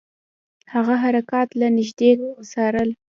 هغه حرکات له نیژدې څارل.